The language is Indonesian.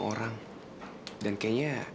pergilah ke sini